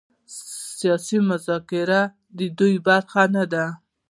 سیاسي مذاکره د دې برخه نه ده.